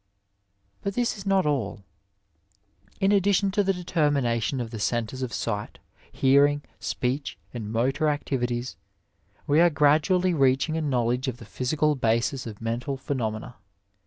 But this is not all ; in addition to the determination of the centres of sight, hearing, speech, and motor activities, we ^re gradually reaching a knowledge of the physical basis of mental phenomena.